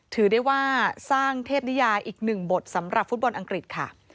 ถือได้ว่าสร้างเทพนิยายอีกหนึ่งบทสำหรับฟุตบอลอังกฤษค่ะ